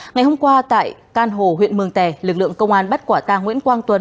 ngày hôm qua tại can hồ huyện mường tè lực lượng công an bắt quả tang nguyễn quang tuấn